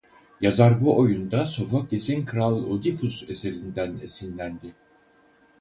Yazar bu oyunda Sofokles'in Kral Oidipus eserinden esinlendi.